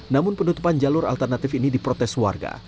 namun penutupan jalur alternatif ini diprotes warga